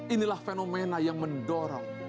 inilah fenomena yang mendorong